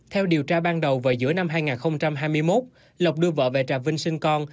theo điều tra ban đầu vào giữa năm hai nghìn hai mươi một lộc đưa vợ về trà vinh sinh con